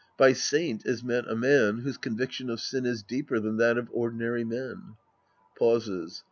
«By "saint" is meant a man whose conviction of sin is deeper than that of ordinaiy men. {Pauses.)